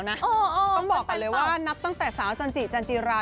อ๋อกันไปเปล่าต้องบอกกันเลยว่านับตั้งแต่สาวจันจิจันจิรา